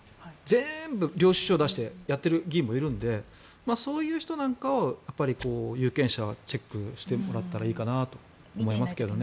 全部、領収書を出してやっている議員もいるのでそういう人なんかを有権者はチェックしてもらったらいいかなと思いますけどね。